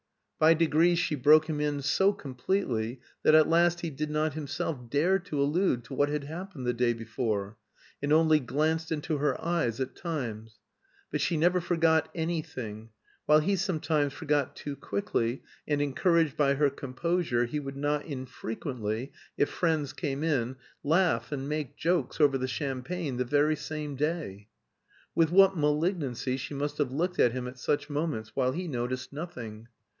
By degrees she broke him in so completely that at last he did not himself dare to allude to what had happened the day before, and only glanced into her eyes at times. But she never forgot anything, while he sometimes forgot too quickly, and encouraged by her composure he would not infrequently, if friends came in, laugh and make jokes over the champagne the very same day. With what malignancy she must have looked at him at such moments, while he noticed nothing!